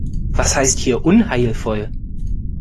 Was heißt hier unheilvoll?